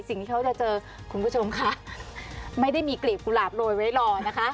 สิ่งที่เขาจะเจอคุณผู้ชมค่ะไม่ได้มีกลีบกุหลาบโรยไว้รอนะคะ